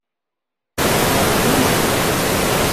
Ɛeqlemt-d.